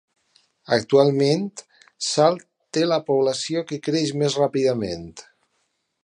Actualment, Sal té la població que creix més ràpidament.